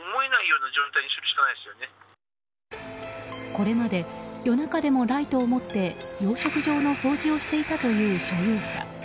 これまで夜中でもライトを持って養殖場の掃除をしていたという所有者。